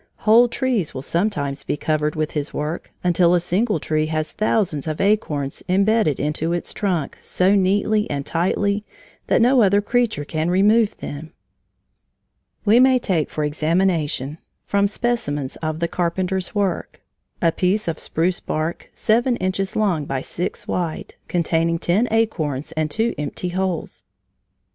Whole trees will sometimes be covered with his work, until a single tree has thousands of acorns bedded into its bark so neatly and tightly that no other creature can remove them. [Illustration: Work of Californian Woodpecker.] We may take for examination, from specimens of the Carpenter's work, a piece of spruce bark seven inches long by six wide, containing ten acorns and two empty holes.